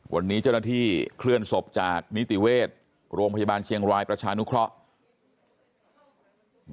วันนี้เจ้าหน้าที่เคลื่อนศพจากนิติเวชโรงพยาบาลเชียงรายประชานุเคราะห์